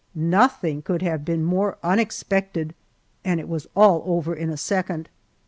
Nothing could have been more unexpected, and it was all over in a second.